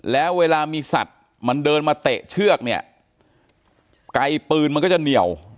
แล้วเวลามีสัตว์มันเดินมาเตะเชือกเนี่ย